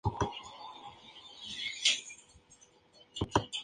Incansable y luchador.